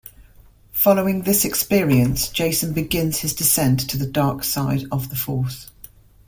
Following this experience, Jacen begins his descent to the dark side of the Force.